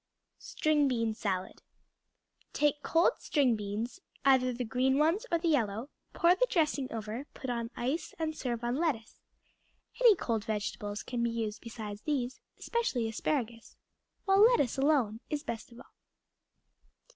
String Bean Salad Take cold string beans, either the green ones or the yellow, pour the dressing over, put on ice, and serve on lettuce. Any cold vegetables can be used besides these, especially asparagus, while lettuce alone is best of all.